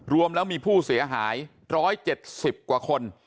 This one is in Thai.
รวมแล้วมีผู้เสียหายร้อยเจ็ดสิบกว่าคน